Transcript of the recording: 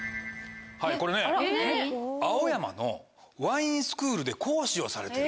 これね青山のワインスクールで講師をされてる。